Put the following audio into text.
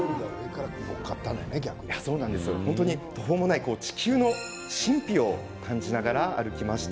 本当に途方もない地球の神秘を感じながら歩きました。